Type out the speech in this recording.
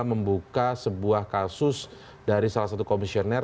membuka sebuah kasus dari salah satu komisioner